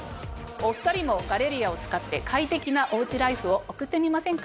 お２人もガレリアを使って快適なお家ライフを送ってみませんか？